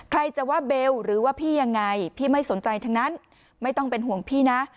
ใครจะว่าเบลหรือว่าพี่ยังไงพี่ไม่สนใจทั้งนั้นไม่ต้องเป็นห่วงพี่นะ